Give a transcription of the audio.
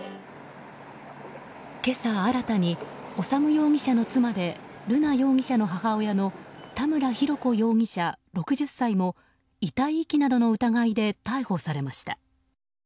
今朝、新たに修容疑者の妻で瑠奈容疑者の母親の田村浩子容疑者、６０歳も遺体遺棄などの疑いで逮捕されました。